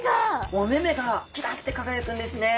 お目目がキラッて輝くんですね。